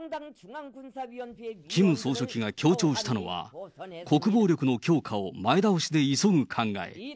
キム総書記が強調したのは、国防力の強化を前倒しで急ぐ考え。